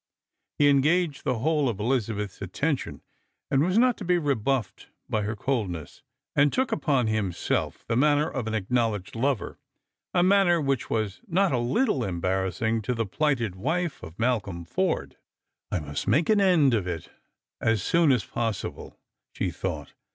He engaged the whole of Elizabeth's attention, and was not to be rebuffed by her coldness, and took u])on himself the manner of an acknowledged lover ; a manner which was not a httle embarrassing to the plighted wife of Malcolm Forde. " I must make an end of it as soon as possible," she thought.